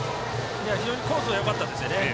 非常にコースはよかったですよね。